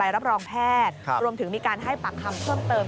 รับรองแพทย์รวมถึงมีการให้ปากคำเพิ่มเติม